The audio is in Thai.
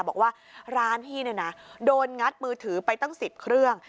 บอกว่าร้านพี่เนี่ยนะโดนงัดมือถือไปตั้ง๑๐เครื่อง